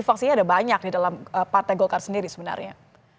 faksinya ada banyak di dalam partai golkar sendiri sebenarnya